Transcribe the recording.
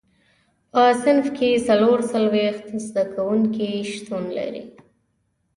په صنف کې څلور څلوېښت زده کوونکي شتون لري.